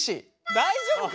大丈夫か！？